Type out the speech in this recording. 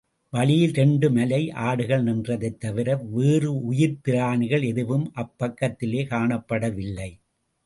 வழியில் இரண்டு மலை ஆடுகள் நின்றதைத் தவிர வேறு உயிர்ப்பிராணிகள் எதுவும் அப்பக்கத்திலே காணப்படவில்லை.